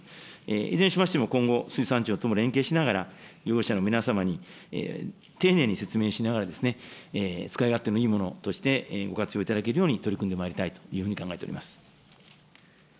いずれにしましても今後、水産庁とも連携しながら、漁業者の皆様に丁寧に説明しながら、使い勝手のいいものとしてご活用いただけるように取り組んでまいりたいというふうに考えております。